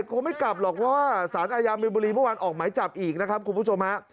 ก็ไม่กลับหรอกว่าสารอาญาเมมบุรีเมื่อวานออกไหมจับอีกนะครับคุณผู้ชมฮะ